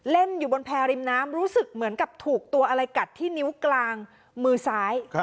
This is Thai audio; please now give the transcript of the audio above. อยู่บนแพรริมน้ำรู้สึกเหมือนกับถูกตัวอะไรกัดที่นิ้วกลางมือซ้าย